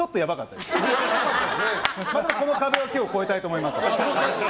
でも、この壁を今日越えたいと思います。